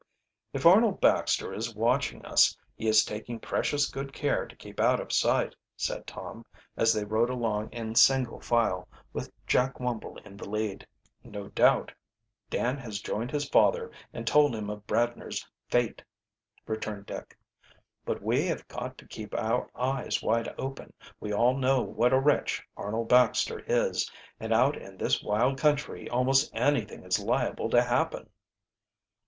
"If Arnold Baxter is watching us he is taking precious good care to keep out of sight," said Tom, as they rode along in single file, with Jack Wumble in the lead. "No doubt Dan has joined his father and told him of Bradner's fate," returned Dick. "But we have got to keep our eyes wide open. We all know what a wretch Arnold Baxter is, and out in this wild country almost anything is liable to happen."